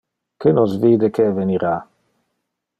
Que nos vide que evenira.